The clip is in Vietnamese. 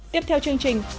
tiếp theo chương trình